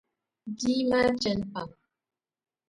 Bia maa chani pam.